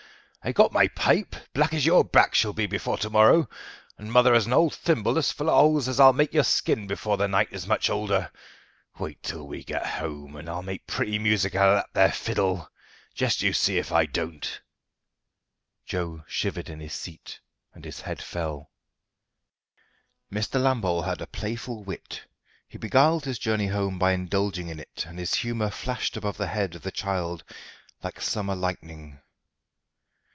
I've got my pipe, black as your back shall be before to morrow, and mother has an old thimble as full o' holes as I'll make your skin before the night is much older. Wait till we get home, and I'll make pretty music out of that there fiddle! just you see if I don't." Joe shivered in his seat, and his head fell. Mr. Lambole had a playful wit. He beguiled his journey home by indulging in it, and his humour flashed above the head of the child like summer lightning.